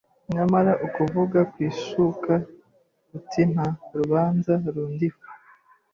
Nyamara ukavuga wishuka uti Nta rubanza rundiho